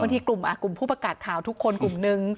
บางทีกลุ่มอ่ะกลุ่มผู้ประกาศข่าวทุกคนกลุ่มหนึ่ง